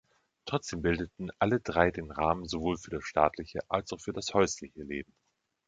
Trotzdem bildeten alle drei den Rahmen sowohl für das staatliche als auch für das häusliche Leben.